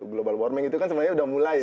global warming itu kan sebenarnya udah mulai kan